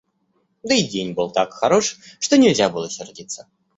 Да и день был так хорош, что нельзя было сердиться.